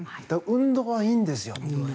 運動はいいんですよと。